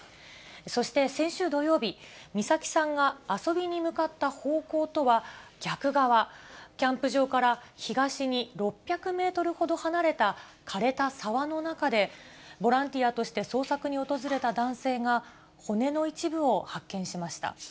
そして先週土曜日、美咲さんが遊びに向かった方向とは逆側、キャンプ場から東に６００メートルほど離れた、かれた沢の中で、ボランティアとして捜索に訪れた男性が骨の一部を発見しました。